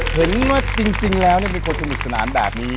เห็นว่าจริงแล้วเป็นคนสนุกสนานแบบนี้